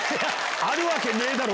あるわけねえだろ！